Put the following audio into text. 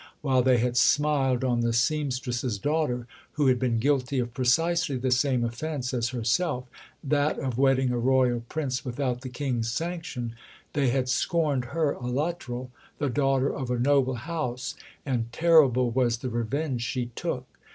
While they had smiled on the sempstress's daughter, who had been guilty of precisely the same offence as herself that of wedding a Royal Prince without the King's sanction they had scorned her, a Luttrell, the daughter of a noble house; and terrible was the revenge she took.